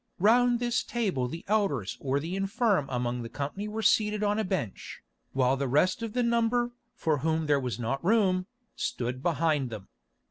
Round this table the elders or the infirm among the company were seated on a bench, while the rest of the number, for whom there was not room, stood behind them.